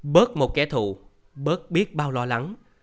bớt một kẻ thù bớt biết bao lo lắng